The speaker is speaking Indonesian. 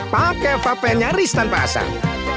pakai vapen nyaris tanpa asap